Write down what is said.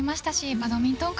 バトミントン界